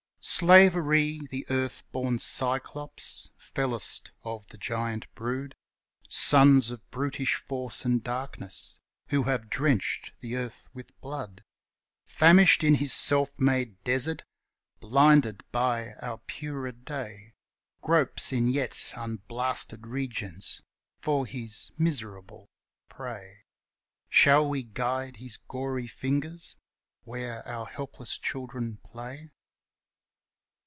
Slavery, the earthborn Cyclops, fellest of the giant brood, Sons of brutish Force and Darkness, who have drenched the earth with blood, Famished in his self made desert, blinded by our purer day, Gropes in yet unblasted regions for his miserable prey; Shall we guide his gory fingers where our helpless children play?